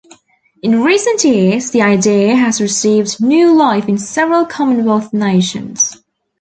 In recent years, the idea has received new life in several Commonwealth nations.